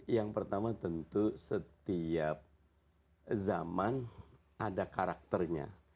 yang pertama tentu setiap zaman ada karakternya